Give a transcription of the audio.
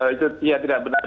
itu tidak benar